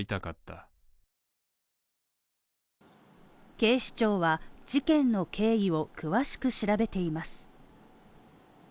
警視庁は、事件の経緯を詳しく調べています。